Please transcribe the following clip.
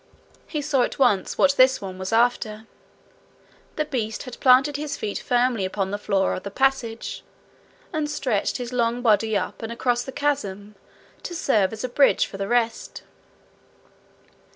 He saw at once what this one was after. The beast had planted his feet firmly upon the floor of the passage, and stretched his long body up and across the chasm to serve as a bridge for the rest.